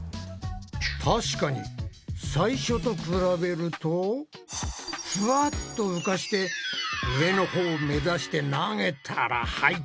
確かに最初と比べるとふわっと浮かして上のほうを目指して投げたら入った。